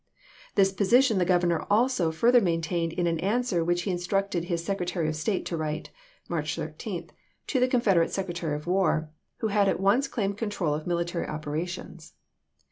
This position the Governor also further maintained in an answer which he instructed his Secretary of State to write (March 13) to the Confederate Secretary of War, who had at once claimed control of military opera tions.